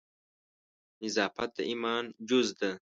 نظافت د ایمان جز ده